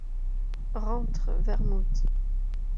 Rentre, Vermouth.